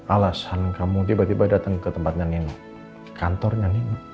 alasan kamu tiba tiba datang ke tempatnya nino kantornya